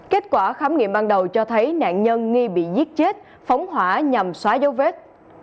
kết quả khám nghiệm ban đầu cho thấy nạn nhân nghi bị giết chết phóng hỏa nhằm xóa dấu vết